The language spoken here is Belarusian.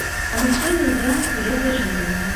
Таму сёння зранку я дзяжурыла.